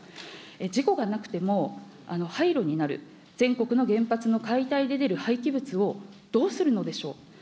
事故がなくても廃炉になる、全国の原発の解体で出る廃棄物を、どうするのでしょう。